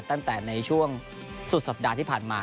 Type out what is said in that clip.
ตั้งแต่ในช่วงสุดสัปดาห์ที่ผ่านมา